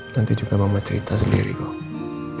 nanti juga membuat cerita sendiri kok